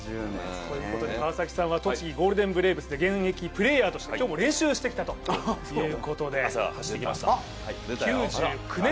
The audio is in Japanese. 川崎さんは栃木ゴールデンブレーブスで現役プレーヤーとして今日も練習してきたということで。